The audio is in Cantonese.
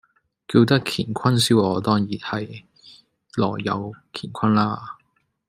叫得乾坤燒鵝，當然係內有乾坤啦